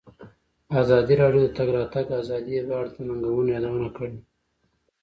ازادي راډیو د د تګ راتګ ازادي په اړه د ننګونو یادونه کړې.